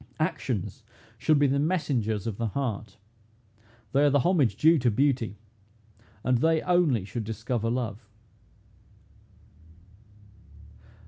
Actions should be the messengers of the heart; they are the homage due to beauty, and they only should discover love."